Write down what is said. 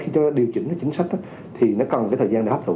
tại vì chúng ta khi điều chỉnh cái chính sách thì nó còn cái thời gian để hấp thụ